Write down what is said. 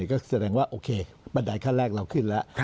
ก็แสดงว่าโอเคบันไดขั้นแรกเราขึ้นแล้ว